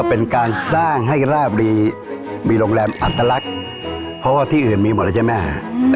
เพราะว่าที่อื่นมีหมดแล้วใช่ไหม